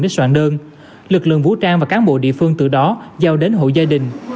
hoàn đơn lực lượng vũ trang và cán bộ địa phương từ đó giao đến hộ gia đình